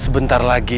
kenapa tuan sakti